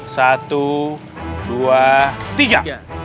satu dua tiga